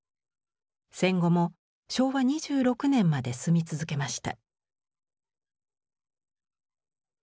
戦後も昭和２６年まで住み続けました。